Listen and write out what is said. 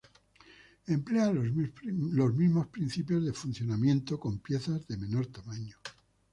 Emplea los mismos principios de funcionamiento, con piezas de menor tamaño.